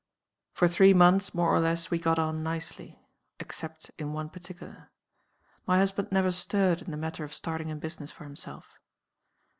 "For three months, more or less, we got on nicely except in one particular. My husband never stirred in the matter of starting in business for himself.